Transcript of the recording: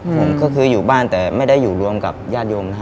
ผมก็คืออยู่บ้านแต่ไม่ได้อยู่รวมกับญาติโยมนะฮะ